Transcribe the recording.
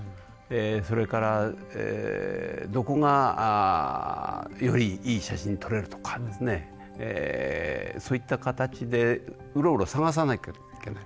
それからどこがよりいい写真撮れるとかそういった形でうろうろ探さなきゃいけない。